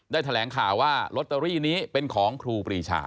แถลงข่าวว่าลอตเตอรี่นี้เป็นของครูปรีชา